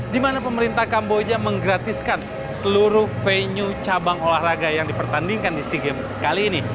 di mana pemerintah kamboja menggratiskan seluruh venue cabang olahraga yang dipertandingkan di sea games kali ini